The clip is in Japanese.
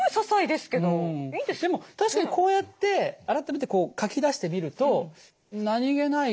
でも確かにこうやって改めてこう書き出してみると何気ない